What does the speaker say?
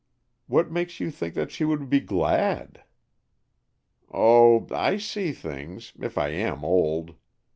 "What makes you think that she would be glad?" "Oh, I see things, if I am old.